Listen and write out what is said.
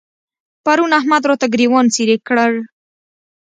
پرون احمد راته ګرېوان څيرې کړ.